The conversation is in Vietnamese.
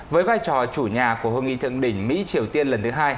với vai trò chủ nhà của hội nghị thượng đỉnh mỹ triều tiên lần thứ hai